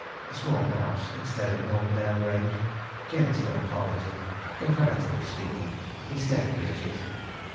A small house instead of Normandale Grange. Genteel poverty comparatively speaking instead of riches.